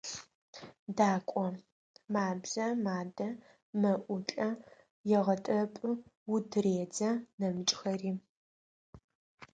«Дакӏо» – мабзэ, мадэ, мэӏулӏэ, егъэтӏэпӏы, ут тыредзэ, нэмыкӏхэри.